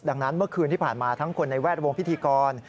ดังนั้นเมื่อคืนที่ผ่านมาทั้งคนในแวดวงพิธีกร